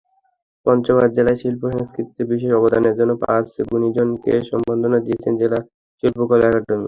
পঞ্চগড় জেলায় শিল্প-সংস্কৃতিতে বিশেষ অবদানের জন্য পাঁচ গুণীজনকে সমঞ্চাননা দিয়েছে জেলা শিল্পকলা একাডেমী।